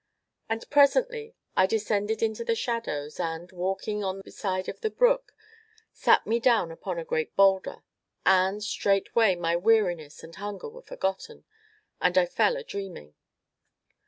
And, presently, I descended into the shadows, and, walking on beside the brook, sat me down upon a great boulder; and, straightway, my weariness and hunger were forgotten, and I fell a dreaming.